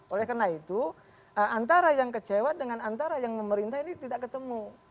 oleh karena itu antara yang kecewa dengan antara yang memerintah ini tidak ketemu